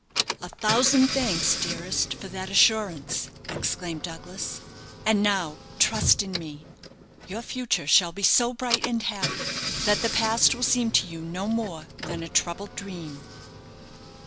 "A thousand thanks, dearest, for that assurance," exclaimed Douglas; "and now trust in me. Tour future shall be so bright and happy that the past will seem to you no more than a troubled dream."